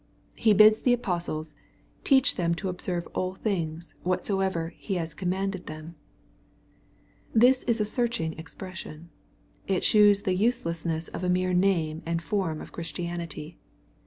He bids the apostles " teach them to observe all things, whatsoever He'has commanded them/' This is a searching expression. It shews the useless ness of a mere name«h(l%>rm of Christianity.